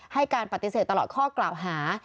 ให้การปฏิเสธตลอดข้อกล่าวหา